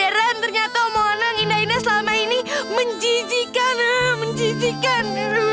deran ternyata omongan yang indah indah selama ini menjijikan menjijikan